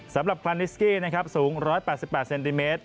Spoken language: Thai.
สำหรับฟานิสกี้นะครับสูง๑๘๘เซนติเมตร